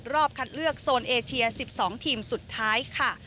รอบคัดเลือกโซนเอเชีย๑๒ทีมสุดท้ายค่ะ